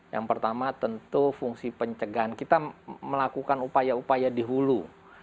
yang pertama tentu fungsi pencegahan kita melakukan upaya upaya di hulu